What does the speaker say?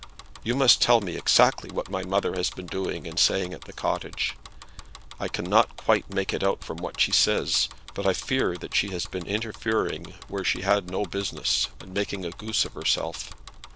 You must tell me exactly what my mother has been doing and saying at the cottage. I cannot quite make it out from what she says, but I fear that she has been interfering where she had no business, and making a goose of herself.